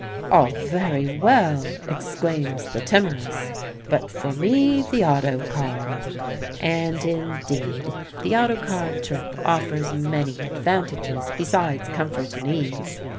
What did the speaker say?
"All very well," exclaims the timorous, "but for me, the auto car." And, indeed, the auto car trip offers many advantages besides comfort and ease.